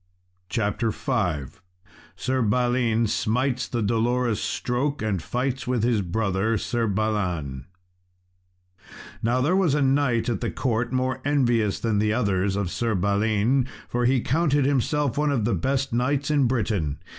CHAPTER V Sir Balin Smites the Dolorous Stroke, and Fights with his Brother, Sir Balan Now there was a knight at the court more envious than the others of Sir Balin, for he counted himself one of the best knights in Britain.